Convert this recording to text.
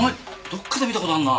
どっかで見た事あんな。